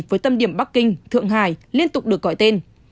với tâm điểm bắc kinh thượng hải liên tục được gọi tên